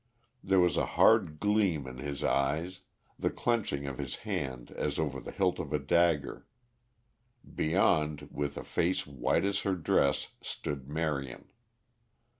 There was a hard gleam in his eyes; the clenching of his hand as over the hilt of a dagger. Beyond, with a face white as her dress, stood Marion.